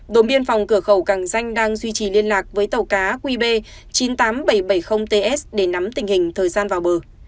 đồn biên phòng cửa khẩu càng danh đang duy trì liên lạc với tàu cá qb chín mươi tám nghìn bảy trăm bảy mươi ts để nắm tình hình thời gian vào bờ